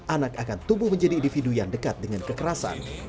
anak akan tumbuh menjadi individu yang dekat dengan kekerasan